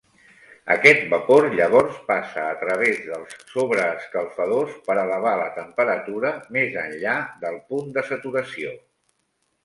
Aquest vapor llavors passa a través dels sobreescalfadors per elevar la temperatura més enllà del punt de saturació.